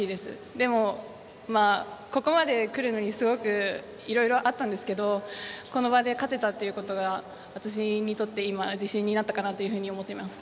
でも、ここまで来るのにすごくいろいろあったんですけどこの場で勝てたということが私にとって今、自信になったかなと思っています。